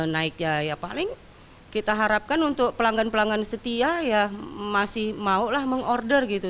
naiknya ya paling kita harapkan untuk pelanggan pelanggan setia ya masih maulah mengorder gitu